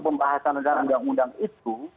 pembahasan tentang undang undang itu